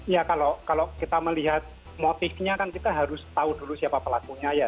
ya kalau kita melihat motifnya kan kita harus tahu dulu siapa pelakunya ya